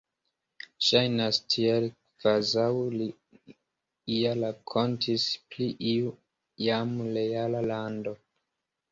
Ŝajnas tiel, kvazaŭ li ja rakontis pri iu jam reala lando.